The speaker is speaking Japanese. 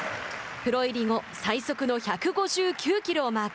プロ入り後、最速の１５９キロをマーク。